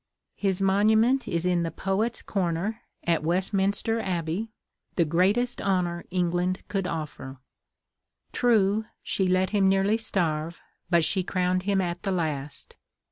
His monument is in the Poets' Corner at Westminster Abbey, the greatest honor England could offer. True, she let him nearly starve, but she crowned him at the last.